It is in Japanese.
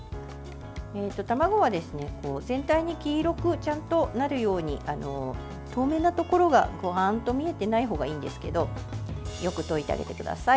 卵は全体に黄色くちゃんとなるように透明なところが、ボワンと見えてない方がいいんですけどよく溶いてあげてください。